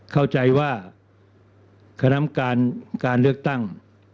เข้าใจว่าคณามการเลือกตั้ง